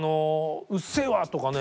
「うっせぇわ」とかね